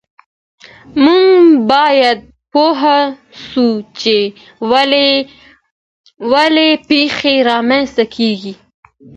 موږ باید پوه سو چې ولې پیښې رامنځته کیږي.